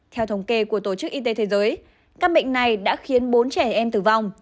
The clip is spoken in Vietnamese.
theo thống kê của tổ chức y tế thế giới căn bệnh này đã khiến bốn trẻ em tử vong